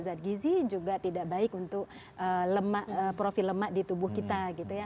zat gizi juga tidak baik untuk profil lemak di tubuh kita gitu ya